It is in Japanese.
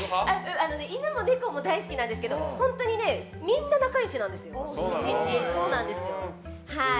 犬もネコも大好きなんですけど本当に、みんな仲良しなんですうちんち。